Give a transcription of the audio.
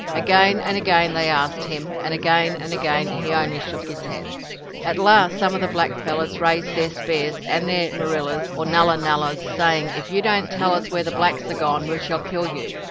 Again and again they asked him, and again and again he only shook his head. At last some of the black fellows raised their spears and their moorillahs or nullah nullahs, saying: "If you do not tell us where the blacks are gone, we shall kill you."